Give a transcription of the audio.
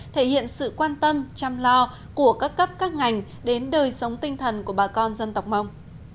thể hiện sự quan tâm chăm lo của các cấp các ngành đến đời sống tinh thần của bà con dân tộc mông